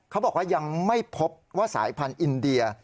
เขาบอกว่ายังไม่พบว่าสายพันธุ์อินเดีย